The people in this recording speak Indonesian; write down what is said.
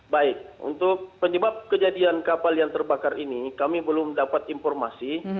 baik untuk penyebab kejadian kapal yang terbakar ini kami belum dapat informasi